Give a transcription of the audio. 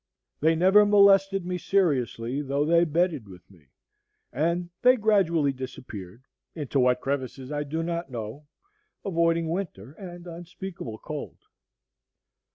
They never molested me seriously, though they bedded with me; and they gradually disappeared, into what crevices I do not know, avoiding winter and unspeakable cold.